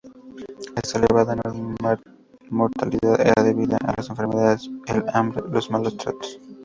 Esta elevada mortalidad era debida a las enfermedades, el hambre, los malos tratos...